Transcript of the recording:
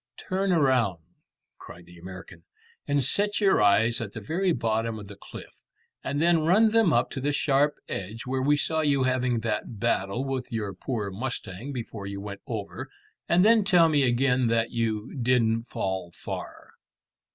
"Turn round," cried the American, "and set your eyes at the very bottom of the cliff, and then run them up to the sharp edge where we saw you having that battle with your poor mustang before you went over, and then tell me again that you didn't fall far."